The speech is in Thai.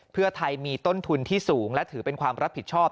เพื่อไทยมีต้นทุนที่สูงและถือเป็นความรับผิดชอบ